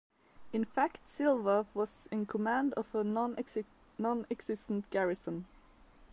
In fact Silva was in command of a nonexistent garrison.